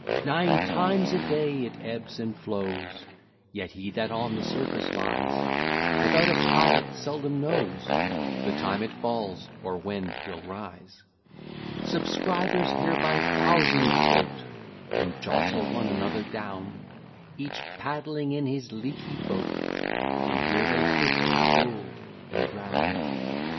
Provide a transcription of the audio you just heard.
Nine times a day it ebbs and flows, Yet he that on the surface lies, Without a pilot seldom knows The time it falls, or when 'twill rise. Subscribers here by thousands float, And jostle one another down; Each paddling in his leaky boat, And here they fish for gold, and drown.